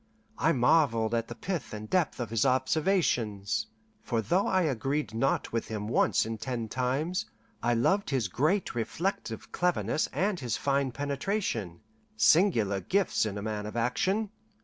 I marvelled at the pith and depth of his observations; for though I agreed not with him once in ten times, I loved his great reflective cleverness and his fine penetration singular gifts in a man of action.